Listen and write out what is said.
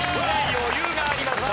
余裕がありました。